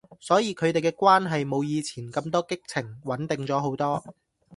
所以佢哋嘅關係冇以前咁多激情，穩定咗好多